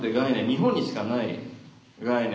日本にしかない概念ではある。